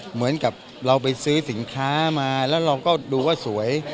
เหมือนกับเราไปซื้อสินค้ามาแล้วเราก็ดูว่าสวย